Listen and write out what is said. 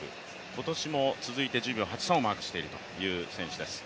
今年も続いて１０秒８３をマークしているという選手です。